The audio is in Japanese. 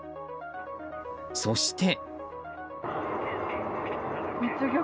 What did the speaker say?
そして。